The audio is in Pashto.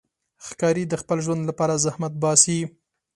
ښکاري د خپل ژوند لپاره زحمت باسي.